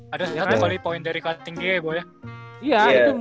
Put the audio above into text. ada sekali poin dari cutting dia ya gue ya